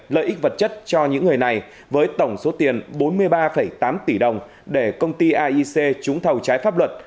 lợi ích vật chất cho những người này với tổng số tiền bốn mươi ba tám tỷ đồng để công ty aic trúng thầu trái pháp luật